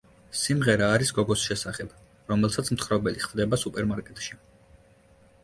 სიმღერა არის გოგოს შესახებ, რომელსაც მთხრობელი ხვდება სუპერმარკეტში.